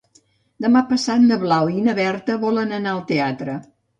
Demà passat na Blau i na Berta volen anar al teatre.